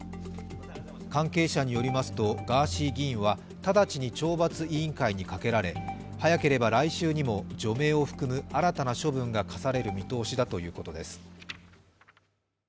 関係者によりますとガーシー議員は直ちに懲罰委員会にかけられ早ければ来週にも除名を含む新たな処分が科される見通しだということです。